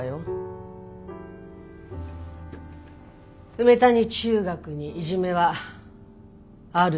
「梅谷中学にいじめはある」